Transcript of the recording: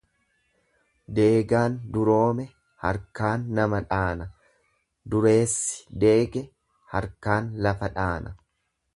Deegaan duroome harkaan nama dhaana, dureessi deege harkaan lafa dhaana.